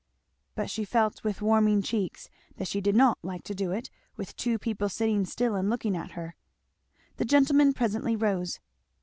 But she felt with warming cheeks that she did not like to do it with two people sitting still and looking at her. The gentleman presently rose.